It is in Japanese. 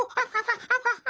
ハ。ハハハ。